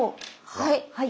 はい。